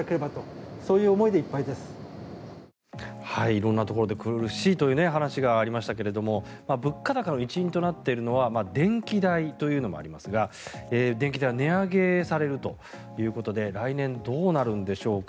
色んなところで苦しいという話がありましたが物価高の一因となっているのは電気代というのもありますが電気代が値上げされるということで来年どうなるんでしょうか。